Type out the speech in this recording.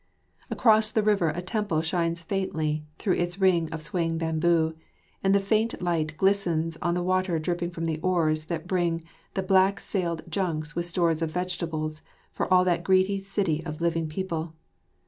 Across the river a temple shines faintly through its ring of swaying bamboo, and the faint light glistens on the water dripping from the oars that bring the black sailed junks with stores of vegetables for all that greedy city of living people.